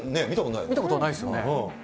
見たことないですよね。